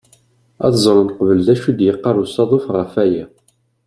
Ad ẓren qbel d acu i d-yeqqar usaḍuf ɣef waya.